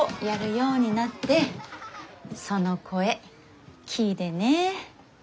その声聴いでね。